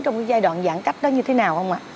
trong cái giai đoạn giãn cách đó như thế nào không ạ